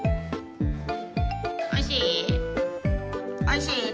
おいしい？